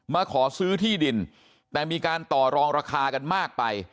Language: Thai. มาขอซื้อที่ดินแต่มีการต่อรองราคากันมากไป